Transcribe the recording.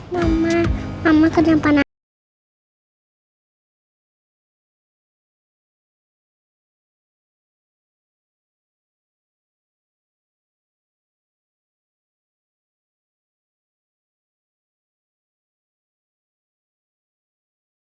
mama mama kenapa nangis